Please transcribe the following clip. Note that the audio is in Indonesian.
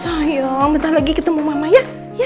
ayo bentar lagi ketemu mama ya